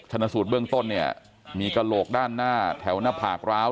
ชนสูตรเบื้องต้นเนี่ยมีกระโหลกด้านหน้าแถวหน้าผากร้าว